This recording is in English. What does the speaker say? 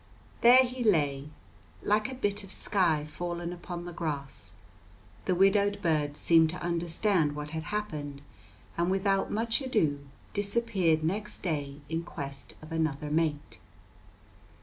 There he lay like a bit of sky fallen upon the grass. The widowed bird seemed to understand what had happened, and without much ado disappeared next day in quest of another mate.